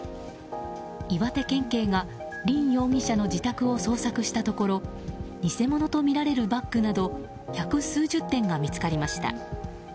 岩手県警が、リン容疑者の自宅を捜索したところ偽物とみられるバッグなど百数十点が見つかりました。